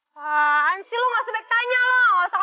apaan sih lo gak sebaik tanya lo gak usah komentarin gue ya sana